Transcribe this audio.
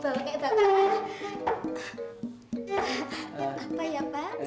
apa ya pak saya udah gak sabar mendengarnya